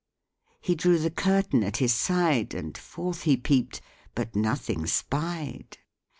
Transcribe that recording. He drew the curtain at his side, And forth he peep'd, but nothing spied.